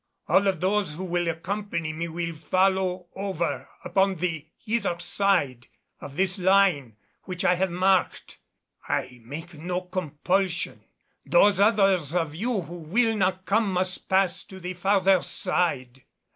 All of those who will accompany me will follow over upon the hither side of this line which I have marked. I make no compulsion. Those others of you who will not come must pass to the farther side."